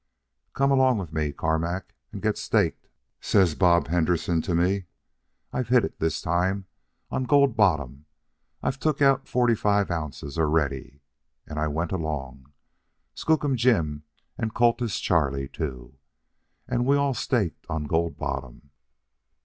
'Come along with me, Carmack, and get staked,' says Bob Henderson to me. 'I've hit it this time, on Gold Bottom. I've took out forty five ounces already.' And I went along, Skookum Jim and Cultus Charlie, too. And we all staked on Gold Bottom.